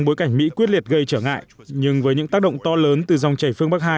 bối cảnh mỹ quyết liệt gây trở ngại nhưng với những tác động to lớn từ dòng chảy phương bắc hai